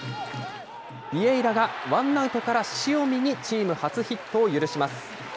ビエイラがワンアウトから塩見に初ヒットを許します。